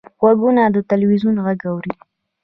غوږونه د تلویزیون غږ اوري